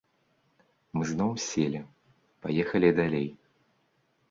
Мы зноў селі, паехалі далей.